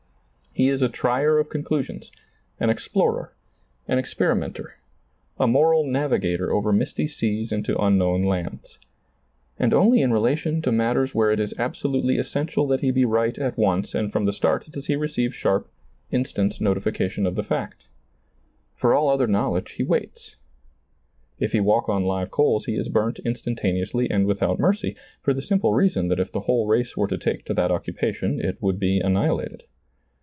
He is a trier of conclu sions, an explorer, an experimenter, a moral navigator over misty seas into unknown lands. And only in' relation to matters where it is abso lutely essential that he be right at once and from the start does he receive .sharp, instant notifica tion of the (act For all other knowledge he ^lailizccbvGoOgle THE VALUE OF THE SOUL 135 waits. If he walk on live coals he is burnt in stantaneously and without mercy, for the simple reason that if the whole race were to take to that occupation it would be annihilated.